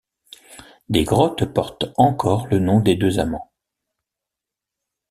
Des grottes portent encore le nom des deux amants.